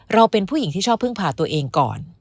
เราเป็นผู้หญิงที่ชอบพึ่งพาตัวเองก่อน